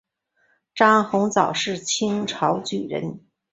张鸿藻是清朝举人。